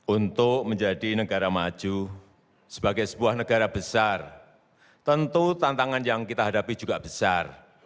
untuk menjadi negara maju sebagai sebuah negara besar tentu tantangan yang kita hadapi juga besar